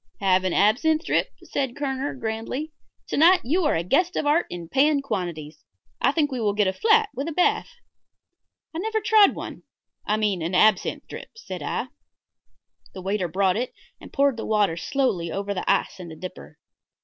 "Have an absinthe drip?" said Kerner, grandly. "To night you are the guest of Art in paying quantities. I think we will get a flat with a bath." "I never tried one I mean an absinthe drip," said I. The waiter brought it and poured the water slowly over the ice in the dripper.